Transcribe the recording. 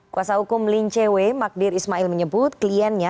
kuasa hukum lin che wei magdir ismail menyebut kliennya